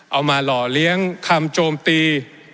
เอามาหล่อเลี้ยงคำโจมตี